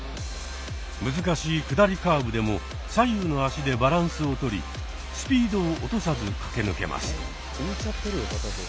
難しい下りカーブでも左右の足でバランスをとりスピードを落とさず駆け抜けます。